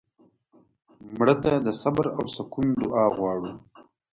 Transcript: مړه ته د صبر او سکون دعا غواړو